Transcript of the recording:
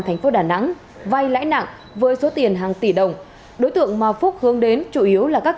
thành phố đà nẵng vay lãi nặng với số tiền hàng tỷ đồng đối tượng mà phúc hướng đến chủ yếu là các